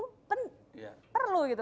jadi kegagalan itu perlu gitu